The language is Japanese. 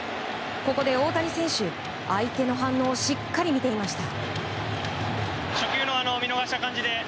ここで大谷選手、相手の反応をしっかり見ていました。